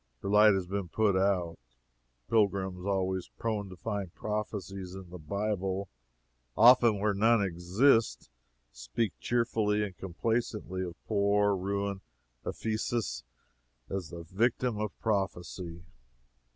Her light has been put out. Pilgrims, always prone to find prophecies in the Bible, and often where none exist, speak cheerfully and complacently of poor, ruined Ephesus as the victim of prophecy.